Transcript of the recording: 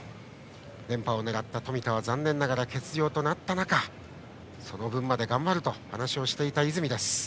連覇を狙った冨田は残念ながら欠場となった中その分まで頑張ると話をしていた泉です。